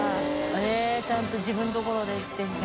へぇちゃんと自分のところで打ってるんだ。